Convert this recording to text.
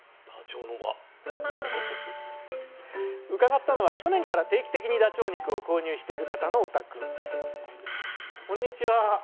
伺ったのは去年から定期的にダチョウ肉を購入している方のお宅こんにちは。